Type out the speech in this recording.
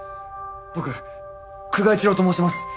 僕久我一郎と申します。